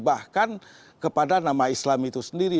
bahkan kepada nama islam itu sendiri